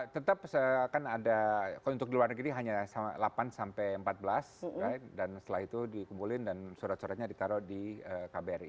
tetap akan ada untuk di luar negeri hanya delapan sampai empat belas dan setelah itu dikumpulin dan surat suratnya ditaruh di kbri